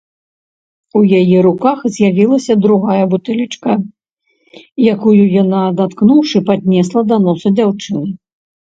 У яе руках з'явілася другая бутэлечка, якую яна, адаткнуўшы, паднесла да носа дзяўчыны.